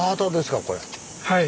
はい。